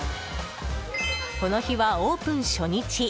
この日は、オープン初日。